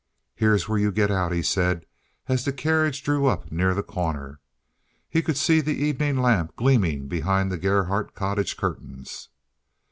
"Here's where you get out," he said, as the carriage drew up near the corner. He could see the evening lamp gleaming behind the Gerhardt cottage curtains.